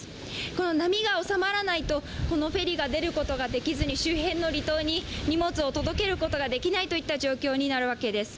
この波が収まらないとフェリーが出ることができずに周辺の離島に荷物を届けることができない状況になるわけです。